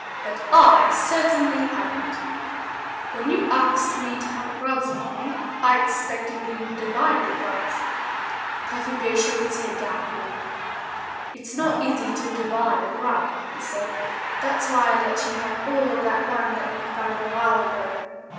"But I certainly haven't. When you asked me to hunt grubs with you I expected we would divide the grubs." Cuffy Bear shook his head doubtfully. "It's not easy to divide a grub," he said. "That's why I let you have all of that one that you found a while ago."